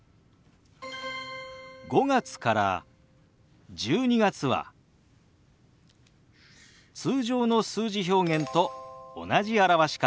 ５月から１２月は通常の数字表現と同じ表し方です。